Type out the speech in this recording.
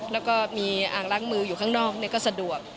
แล้วก็มีอ่างล้างมืออยู่ข้างนอกก็สะดวก